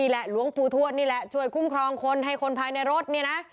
หลวงปู่ทวดนี่แหละช่วยคุ้มครองคนให้คนภายในรถเนี่ยนะ